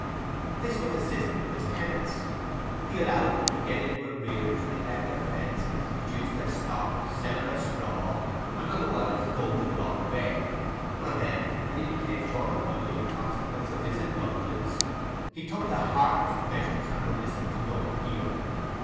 This was his system with his tenants: he allowed them to get into arrears, neglect their fences, reduce their stock, sell their straw, and otherwise go the wrong way,—and then, when he became short of money in consequence of this indulgence, he took the hardest measures and would listen to no appeal.